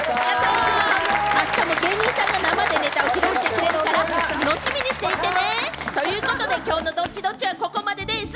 明日も芸人さんが生でネタを披露してくれるから楽しみにしていてね！ということで今日のＤｏｔｔｉ‐Ｄｏｔｔｉはここまででぃす！